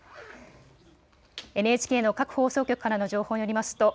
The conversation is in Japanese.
ＮＨＫの各放送局からの情報によりますと。